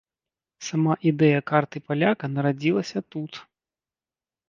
Сама ідэя карты паляка нарадзілася тут.